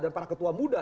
dan para ketua muda